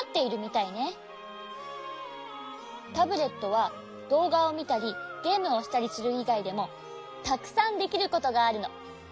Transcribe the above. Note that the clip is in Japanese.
タブレットはどうがをみたりゲームをしたりするいがいでもたくさんできることがあるの。